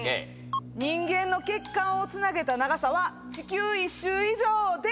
人間の血管をつなげた長さは地球１周以上です！